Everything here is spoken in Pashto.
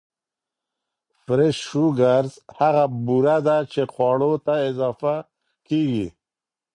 Fresh sugars هغه بوره ده چې خواړو ته اضافه کېږي.